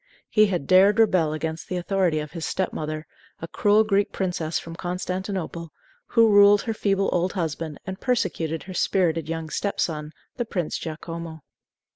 He had dared rebel against the authority of his step mother, a cruel Greek princess from Constantinople, who ruled her feeble old husband and persecuted her spirited young step son, the Prince Giacomo.